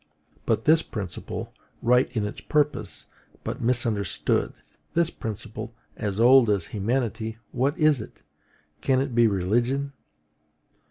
But this principle, right in its purpose, but misunderstood: this principle, as old as humanity, what is it? Can it be religion?